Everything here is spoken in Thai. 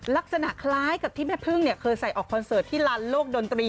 ลักษณะคล้ายกับที่แม่พึ่งเคยใส่ออกคอนเสิร์ตที่ลานโลกดนตรี